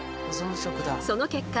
その結果